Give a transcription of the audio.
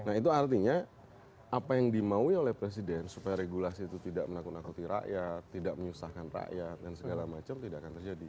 nah itu artinya apa yang dimaui oleh presiden supaya regulasi itu tidak menakut nakuti rakyat tidak menyusahkan rakyat dan segala macam tidak akan terjadi